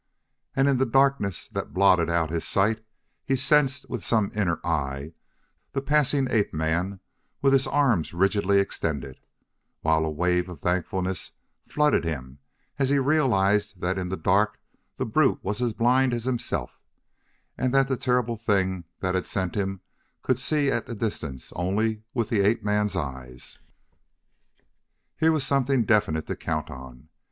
And in the darkness that blotted out his sight he sensed with some inner eye the passing ape man with arms rigidly extended, while a wave of thankfulness flooded him as he realized that in the dark the brute was as blind as himself and that the terrible thing that had sent him could see at a distance only with the ape man's eyes. Here was something definite to count on.